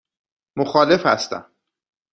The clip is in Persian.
مخالف هستم.